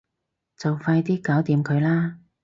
就快啲搞掂佢啦